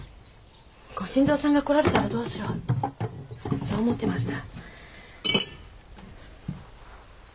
ご新造さんが来られたらどうしようそう思ってました。